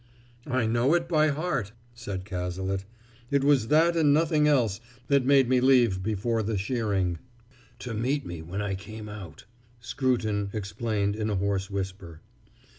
"I know it by heart," said Cazalet. "It was that and nothing else that made me leave before the shearing." "To meet me when I came out!" Scruton explained in a hoarse whisper.